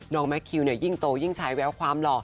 แมคคิวยิ่งโตยิ่งใช้แววความหล่อ